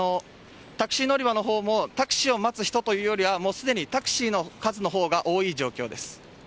タクシー乗り場の方もタクシーを待つ人というよりすでにタクシーの数の方が多い状況です。